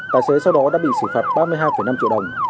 tài xế sau đó đã bị xử phạt ba mươi hai năm triệu đồng